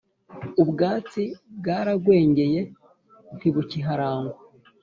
ubwatsi bwaragwengeye, ntibukiharangwa.